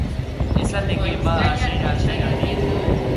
Ez al nekien ba hasiera-hasieratik?